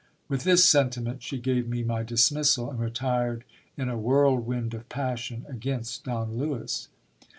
With this sentiment she gave me my dismissal, and retired in a whirlwind of passion against Don Lewis.